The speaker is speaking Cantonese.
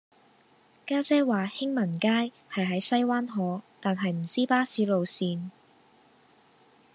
家姐話興民街係喺西灣河但係唔知巴士路線